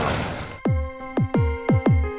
tidak ada apa apa